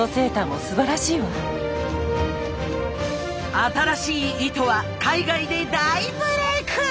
新しい糸は海外で大ブレイク！